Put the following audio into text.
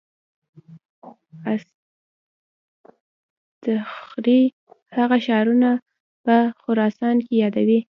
اصطخري هغه ښارونه په خراسان کې یادوي.